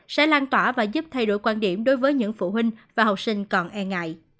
sẽ lan tỏa và giúp thay đổi quan điểm đối với những phụ huynh và học sinh còn e ngại